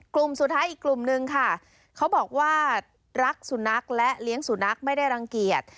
กลุ่มสุดท้ายอีกกลุ่มนึงค่ะเขาบอกว่ารักสุนัขและเลี้ยงสุนัขไม่ได้รังเกียจ